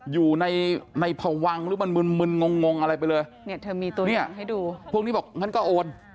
อยู่ในในพวังหรือมันมึนมึนงงงอะไรไปเลยเนี่ยเธอมีตัวเนี่ยให้ดูพวกนี้บอกงั้นก็โอน